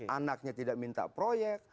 anaknya tidak minta proyek